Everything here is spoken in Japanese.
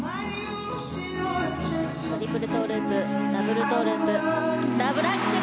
トリプルトゥループダブルトゥループダブルアクセル。